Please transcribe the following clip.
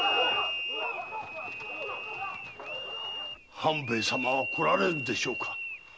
半兵衛様は来られるでしょうか？